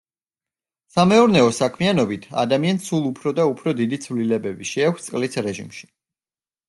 სამეურნეო საქმიანობით ადამიანს სულ უფრო და უფრო დიდი ცვლილებები შეაქვს წყლის რეჟიმში.